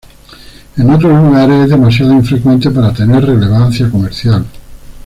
En otros lugares es demasiado infrecuente para tener relevancia comercial.